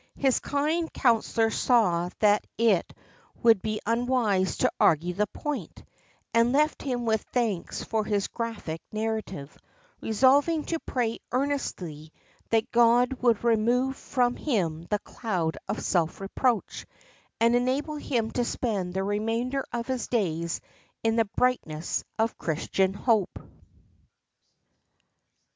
His kind counsellor saw that it would be unwise to argue the point, and left him with thanks for his graphic narrative, resolving to pray earnestly that God would remove from him the cloud of self reproach, and enable him to spend the remainder of his days in the brightness of Christian hope.